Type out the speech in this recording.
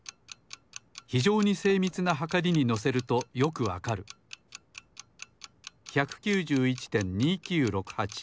ひじょうにせいみつなはかりにのせるとよくわかる。１９１．２９６８。